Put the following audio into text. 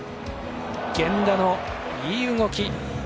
源田のいい動き